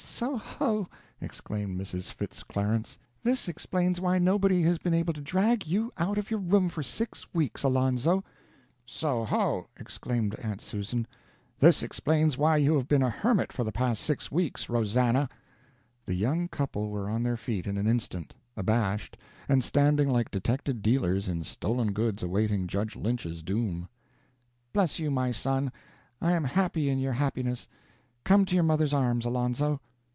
"Soho!" exclaimed Mrs. Fitz Clarence, "this explains why nobody has been able to drag you out of your room for six weeks, Alonzo!" "So ho!" exclaimed Aunt Susan, "this explains why you have been a hermit for the past six weeks, Rosannah!" The young couple were on their feet in an instant, abashed, and standing like detected dealers in stolen goods awaiting judge Lynch's doom. "Bless you, my son! I am happy in your happiness. Come to your mother's arms, Alonzo!"